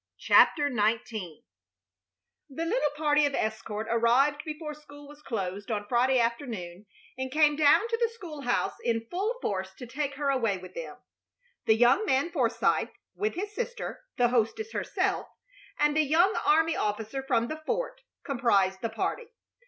CHAPTER XIX The little party of escort arrived before school was closed on Friday afternoon, and came down to the school house in full force to take her away with them. The young man Forsythe, with his sister, the hostess herself, and a young army officer from the fort, comprised the party.